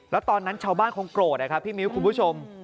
แล้วตอนนั้นชาวบ้านคงโกรธนะครับพี่มิ้วคุณผู้ชม